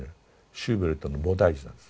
シューベルトの「菩提樹」なんです。